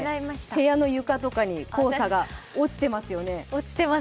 部屋の床とかに黄砂が落ちてますよね。